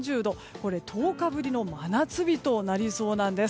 これ、１０日ぶりの真夏日となりそうなんです。